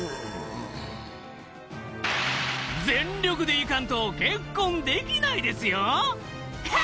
全力でいかんと結婚できないですよ！